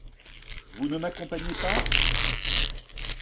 Vous ne n’accompagnez pas ?…